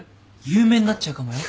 有名になっちゃうかもよ。